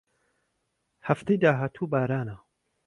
هەفتەی داهاتوو بارانە.